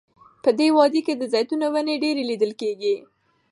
په دې وادۍ کې د زیتونو ونې ډیرې لیدل کیږي.